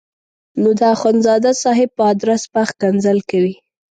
نو د اخندزاده صاحب په ادرس به ښکنځل کوي.